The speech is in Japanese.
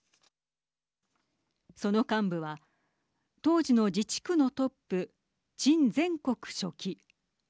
その幹部は当時の自治区のトップ陳全国書記。